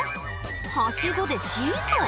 はしごでシーソー？